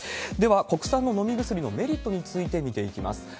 では、国産の飲み薬のメリットについて見ていきます。